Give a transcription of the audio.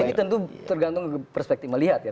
ini tentu tergantung perspektif melihat ya